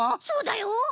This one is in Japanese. そうだよ。